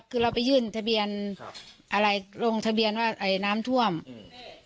คือเราไปยื่นทะเบียนครับอะไรลงทะเบียนว่าไอ้น้ำท่วมอืม